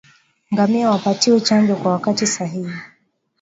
Ngamia wapatiwe chanjo kwa wakati sahihi